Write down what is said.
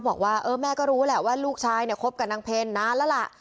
บอกว่าเออแม่ก็รู้แหละว่าลูกชายเนี่ยคบกับนางเพลนานแล้วล่ะ